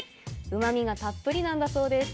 うまみがたっぷりなんだそうです。